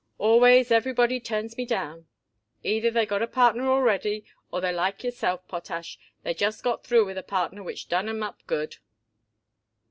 Always everybody turns me down. Either they got a partner already or they're like yourself, Potash, they just got through with a partner which done 'em up good."